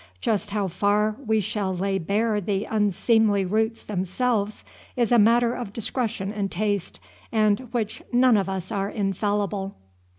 Just how far we shall lay bare the unseemly roots themselves is a matter of discretion and taste, and which none of us are infallible.